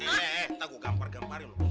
eh eh eh entar gue gampar gamparin lo